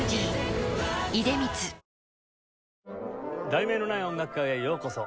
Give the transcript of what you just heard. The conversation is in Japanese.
『題名のない音楽会』へようこそ。